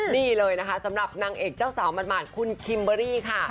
นี่เลยนะคะสำหรับนางเอกเจ้าสาวหมาดคุณคิมเบอรี่ค่ะ